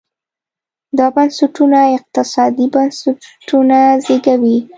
دا بنسټونه اقتصادي بنسټونه زېږوي.